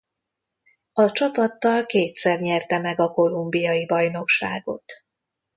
A csapattal kétszer nyerte meg a kolumbiai bajnokságot.